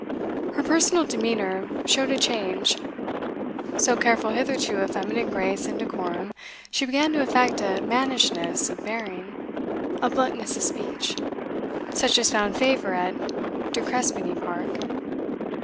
Her personal demeanour showed a change. So careful hitherto of feminine grace and decorum, she began to affect a mannishness of bearing, a bluntness of speech, such as found favour at De Crespigny Park.